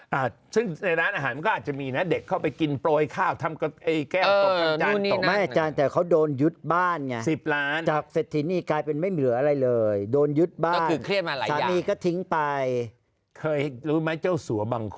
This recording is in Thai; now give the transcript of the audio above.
อ่ะและมารั่นอาหารมันก็อาจจะมีเนี่ยเด็กเข้าไปกินโปร่ยข้าวทำแก้วตัว